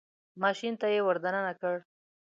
ماشین ته یې ور دننه کړ.